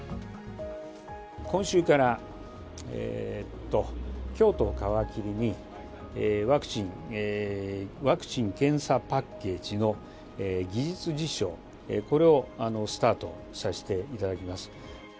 今週から京都を皮切りに、ワクチン・検査パッケージの技術実証、これをスタートさせていただきます。